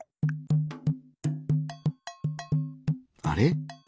あれ？